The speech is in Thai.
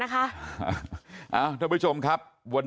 ขอบคุณครับ